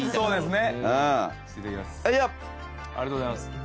ありがとうございます。